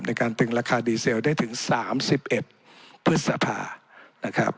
ในการตึงราคาดีเซลได้ถึงสามสิบเอ็ดพฤษภานะครับ